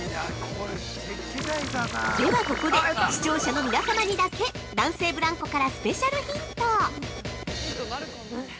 ◆ではここで、視聴者の皆様にだけ、男性ブランコからスペシャルヒント！